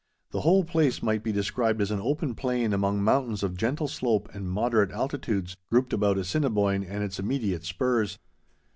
The whole place might be described as an open plain among mountains of gentle slope and moderate altitudes, grouped about Assiniboine and its immediate spurs.